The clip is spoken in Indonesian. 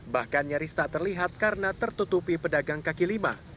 bahkan nyaris tak terlihat karena tertutupi pedagang kaki lima